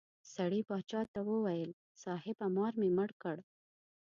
سړي باچا ته وویل صاحبه مار مې مړ کړ.